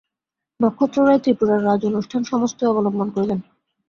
নক্ষত্ররায় ত্রিপুরার রাজ-অনুষ্ঠান সমস্তই অবলম্বন করিলেন।